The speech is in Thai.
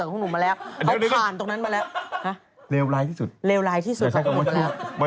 แล้วก็เลวร้ายที่สุด